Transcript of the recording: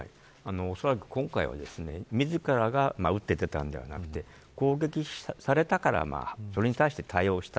おそらく今回は自らが打って出たのではなくて攻撃されたからそれに対して対応した。